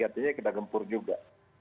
tiga t nya kita gempur juga